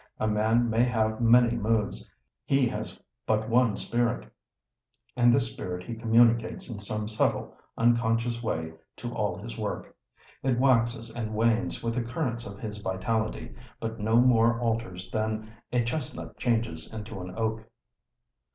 A man may have many moods, he has but one spirit; and this spirit he communicates in some subtle, unconscious way to all his work. It waxes and wanes with the currents of his vitality, but no more alters than a chestnut changes into an oak.